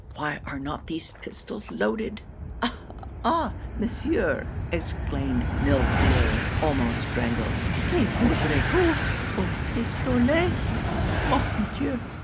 why are not these pistols loaded?' 'Eh! eh! Monsieur!' exclaimed Millefleur, almost strangled '_que voudriez vous? vos pistolets! Mon Dieu!